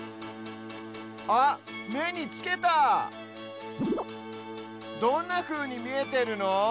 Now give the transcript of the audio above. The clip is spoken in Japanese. あっめにつけたどんなふうにみえてるの？